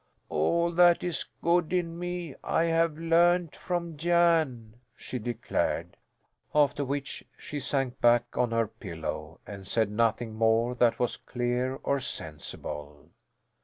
"All, that is good in me I have learned from Jan," she declared. After which she sank back on her pillow and said nothing more that was clear or sensible.